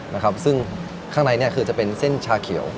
นะครับซึ่งข้างในเนี่ยคือจะเป็นเส้นชาเขียว